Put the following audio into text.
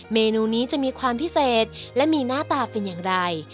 เมนูนี้จะมีความพิเศษและมีหน้าตาเป็นอย่างไร